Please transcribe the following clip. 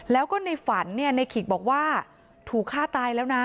แล้วก็ในฝันเนี่ยในขิกบอกว่าถูกฆ่าตายแล้วนะ